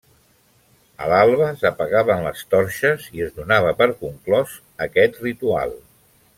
A l'alba, s'apagaven les torxes i es donava per conclòs aquest ritual.